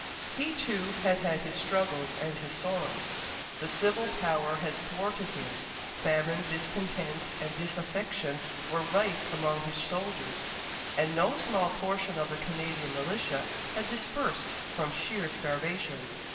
He, too, had had his struggles and his sorrows. The civil power had thwarted him; famine, discontent, and disaffection were rife among his soldiers; and no small portion of the Canadian militia had dispersed from sheer starvation.